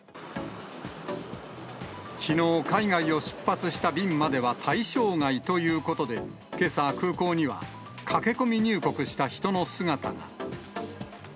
きのう、海外を出発した便までは対象外ということで、けさ、空港には駆け込み入国した人の姿が。